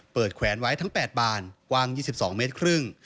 เปิดแขวนไว้ทั้งแปดบานกว้างยี่สิบสองเมตรครึ่ง